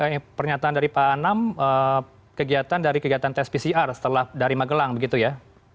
ini pernyataan dari pak anam kegiatan dari kegiatan tes pcr setelah dari magelang begitu ya